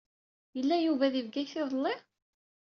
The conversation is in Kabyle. Yella Yuba di Bgayet iḍelli?